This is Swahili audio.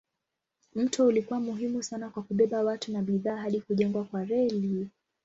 Mto ulikuwa muhimu sana kwa kubeba watu na bidhaa hadi kujengwa kwa reli.